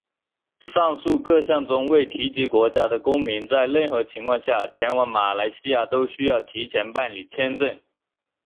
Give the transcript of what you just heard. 上述各项中未提及国家的公民在任何情况下前往马来西亚都需要提前办理签证。